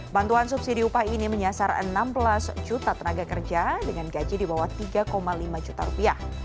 bantuan subsidi upah ini menyasar enam belas juta tenaga kerja dengan gaji di bawah tiga lima juta rupiah